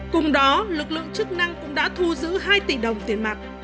cùng đó lực lượng chức năng cũng đã thu giữ hai tỷ đồng tiền mặt